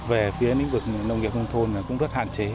về phía lĩnh vực nông nghiệp nông thôn cũng rất hạn chế